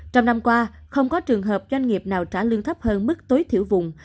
trong năm qua không có trường hợp doanh nghiệp nào trả lương thấp hơn mức tối thiểu vùng